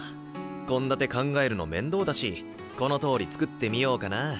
献立考えるの面倒だしこのとおり作ってみようかな。